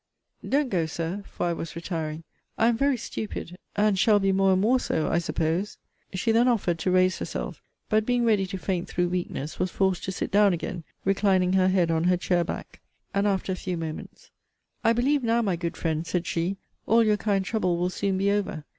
Don't go, Sir, (for I was retiring,) I am very stupid, and shall be more and more so, I suppose. She then offered to raise herself; but being ready to faint through weakness, was forced to sit down again, reclining her head on her chair back; and, after a few moments, I believe now, my good friends, said she, all your kind trouble will soon be over.